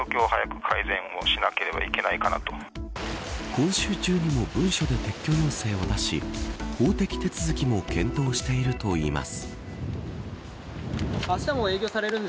今週中にも文書で撤去要請を出し法的手続きも検討しているといいます。